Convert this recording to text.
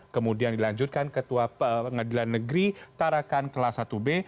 kemudian dilanjutkan ketua pengadilan negeri tarakan kelas satu b